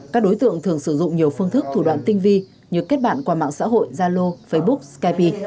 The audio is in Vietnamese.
các đối tượng thường sử dụng nhiều phương thức thủ đoạn tinh vi như kết bạn qua mạng xã hội zalo facebook skype